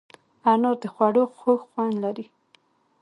انار د خوړو خوږ خوند لري.